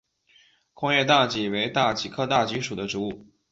宽叶大戟为大戟科大戟属的植物。